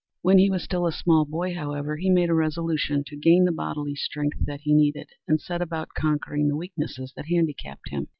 When he was still a small boy, however, he made a resolution to gain the bodily strength that he needed and set about conquering the weaknesses that handicapped him.